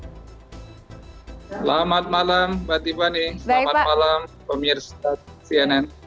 selamat malam mbak tiffany selamat malam pemirsa cnn